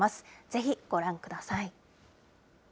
ぜひご覧ください。